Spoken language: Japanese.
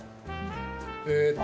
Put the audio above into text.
えっと